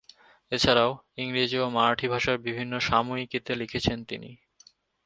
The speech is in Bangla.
এছাড়াও, ইংরেজি ও মারাঠি ভাষার বিভিন্ন সাময়িকীতে লিখেছেন তিনি।